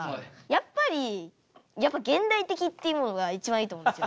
やっぱりやっぱ現代的っていうものが一番いいと思うんですよ。